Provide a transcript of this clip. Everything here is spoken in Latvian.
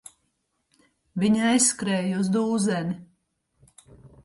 Viņi aizskrēja uz dūzeni.